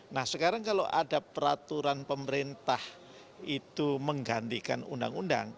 nah sekarang kalau ada peraturan pemerintah itu menggantikan undang undang